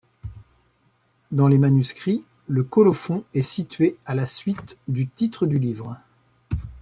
Dans les manuscrits, le colophon est situé à la suite du titre du livre.